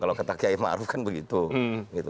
kalau kata kiai ma'ruf kan begitu